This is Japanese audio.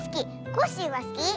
コッシーはすき？